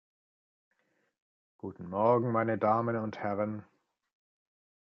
Guten Morgen, meine Damen und Herren!